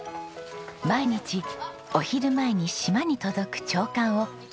毎日お昼前に島に届く朝刊を各家庭に配達。